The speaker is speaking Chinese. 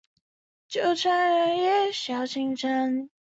雅雷地区圣克鲁瓦人口变化图示